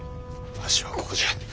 わしはここじゃ！